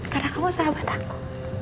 karena kamu sahabat aku